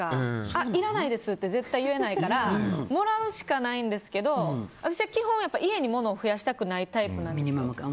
あっ、いらないですって絶対言えないからもらうしかないんですけど私は基本、家に物を増やしたくないタイプなんですよ。